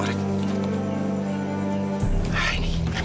terima kasih pak